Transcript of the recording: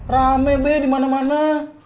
rame be dimana mana